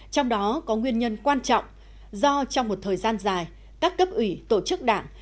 trong đó có nguyên nhân quan trọng do trong một thời gian dài các cấp ủy tổ chức đảng